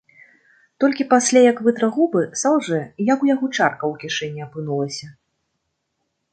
Толькі пасля, як вытра губы, салжэ, як у яго чарка ў кішэні апынулася.